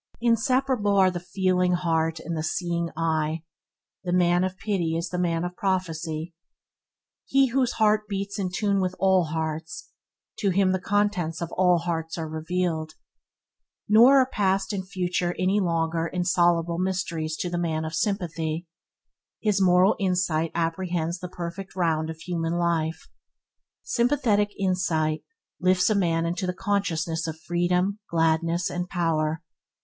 Inseparable are the feeling heart and the seeing eye. The man of pity is the man of prophecy. He whose heart beats in tune with all hearts, to him the contents of all hearts are revealed. Nor are past and future any longer insoluble mysteries to the man of sympathy. His moral insight apprehends the perfect round of human life. Sympathetic insight lifts a man into the consciousness of freedom, gladness and power.